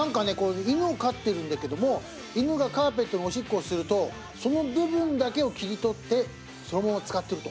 犬を飼ってるんだけども犬がカーペットにおしっこをするとその部分だけを切り取ってそのまま使ってると。